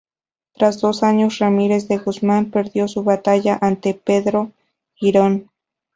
Tras dos años, Ramírez de Guzmán perdió su batalla ante Pedro Girón.